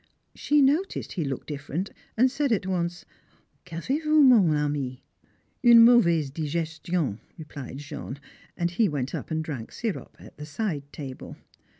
She noticed he looked different and said at once, "Qu'avez vous, mon ami?" "Une mauvaise digestion," replied Jean, and he went and drank sirop at the side table.